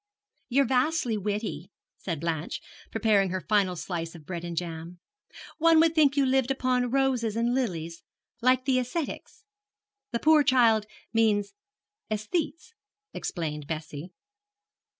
'You're vastly witty,' said Blanche, preparing her final slice of bread and jam; 'one would think you lived upon roses and lilies, like the ascetics.' 'The poor child means aesthetes,' explained Bessie.